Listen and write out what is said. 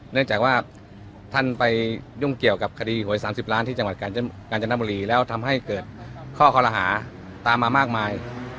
เนื่องจากว่าท่านไปยุ่งเกี่ยวกับคดีหวย๓๐ล้านที่จังหวัดกาญจนบุรีแล้วทำให้เกิดข้อคอรหาตามมามากมาย